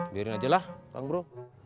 biarin aja lah bang bro